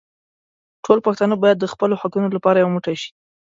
ټول پښتانه بايد د خپلو حقونو لپاره يو موټي شي.